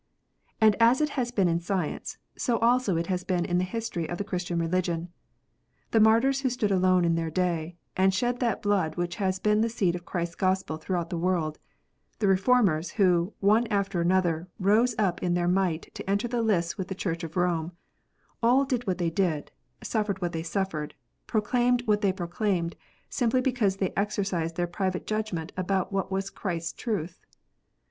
And as it has been in science, so also it has been in the history of the Christian religion. The martyrs who stood alone in their day, and shed that blood which has been the seed of Christ s Gospel throughout the world, the Reformers, who, one after another, rose up in their might to enter the lists with the Church of Koine, all did what they did, suffered what they suffered, proclaimed what they proclaimed, simply because they exercised their private judgment about what was Christ s truth.